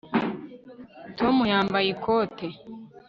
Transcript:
Tom yambaye ikote